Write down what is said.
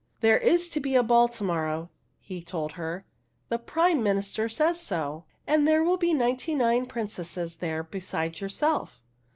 " There is to be a ball to morrow," he told her. The Prime Minister says so! And there will be ninety nine princesses there be sides yourself."